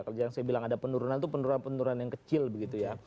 jadi yang saya bilang ada penurunan itu penurunan penurunan yang kecil begitu ya